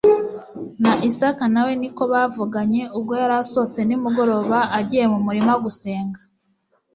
na Isaka na we ni ko bavuganye ubwo yari asohotse nimugoroba agiye mu murima gusenga;